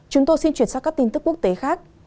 chúng tôi xin truyền xác các tin tức quốc tế khác